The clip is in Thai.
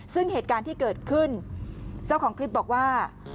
ซึ่งเหตุการณ์ที่เกิดขึ้นเจ้าของคลิปบอกว่า